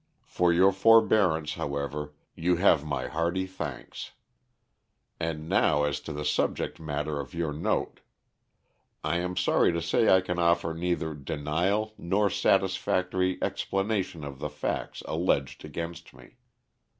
For your forbearance, however, you have my hearty thanks. And now as to the subject matter of your note: I am sorry to say I can offer neither denial nor satisfactory explanation of the facts alleged against me.